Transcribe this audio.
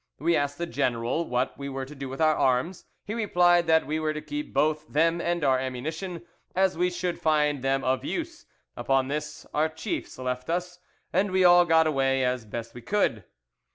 We asked the general what we were to do with our arms; he replied that we were to keep both them and our ammunition, as we should find them of use. Upon this, our chiefs left us, and we all got away as best we could."